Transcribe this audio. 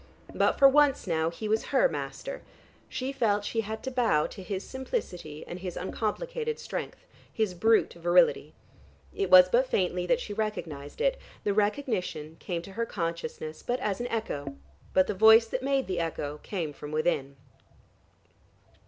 But for once now, he was her master: she felt she had to bow to his simplicity and his uncomplicated strength, his brute virility. It was but faintly that she recognized it; the recognition came to her consciousness but as an echo. But the voice that made the echo came from within.